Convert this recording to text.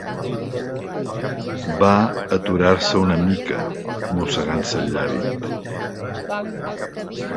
Va aturar-se una mica, mossegant-se el llavi.